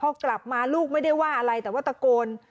พอกลับมาลูกไม่ได้ว่าอะไรแต่ว่าตะโกน